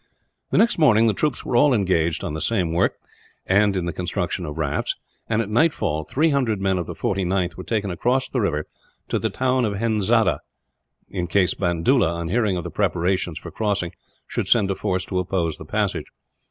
The next morning the troops were all engaged on the same work, and in the construction of rafts; and at nightfall three hundred men of the 49th were taken across the river to the town of Henzada, in case Bandoola, on hearing of the preparations for crossing, should send a force to oppose the passage.